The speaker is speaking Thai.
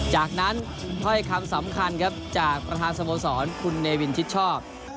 จากนั้นถ้อยคำสำคัญครับจากประธานสโมสรคุณเนวินชิดชอบ